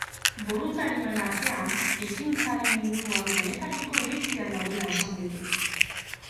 Boluntarioen artean, ekintzaren inguruan denetariko iritziak daudela esan digu.